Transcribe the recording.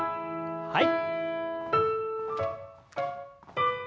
はい。